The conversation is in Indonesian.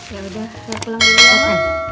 yaudah gue pulang dulu ya